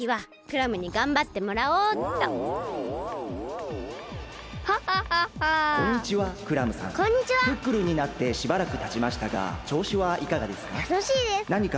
・クックルンになってしばらくたちましたがちょうしはいかがですか？